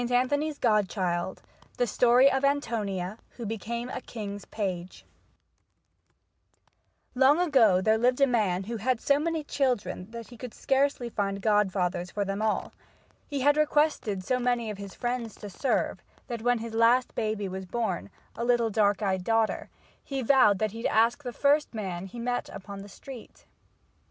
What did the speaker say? ANTHONY'S GODCHILD The Story of Antonia who became a King's Page Long ago there lived a man who had so many children that he could scarcely find godfathers for them all. He had requested so many of his friends to serve, that when his last baby was born, a little dark eyed daughter, he vowed that he'd ask the first man he met upon the street.